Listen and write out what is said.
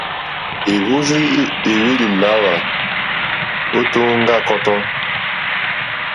Èwɔ́rzì èhwélì lǎhwà ô tóŋgóŋgó yà kɔ́tɔ́.